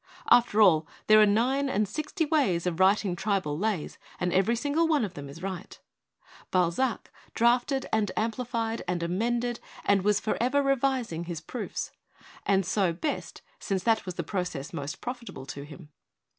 After all, there are nine and sixty ways of writing tribal lays and every single one of them is right. Balzac drafted and amplified and 214 ON WORKING TOO MUCH AND WORKING TOO FAST amended and was forever revising his proofs; and so best, since that was the process most profitable to him.